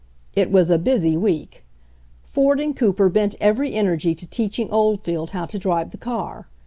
It was a busy week. Ford and Cooper bent every energy to teaching Oldfield how to drive the car.